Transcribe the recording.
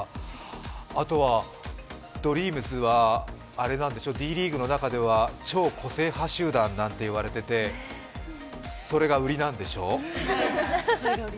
あとは、ＤＲＥＡＭＳはＤリーグの中では超個性派集団なんていわれてて、それが売りなんでしょう？